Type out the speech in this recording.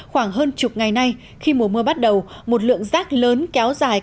khoảng hơn chục ngày nay khi mùa mưa bắt đầu một lượng rác lớn kéo dài